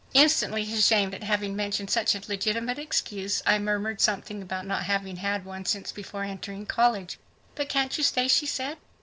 Instantly ashamed at having mentioned such a legitimate excuse, I murmured something about not having had one since before entering college. "But can't you stay?" she said.